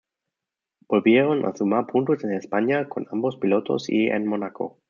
Volvieron a sumar puntos en España, con ambos pilotos, y en Mónaco.